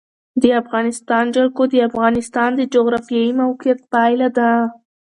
د افغانستان جلکو د افغانستان د جغرافیایي موقیعت پایله ده.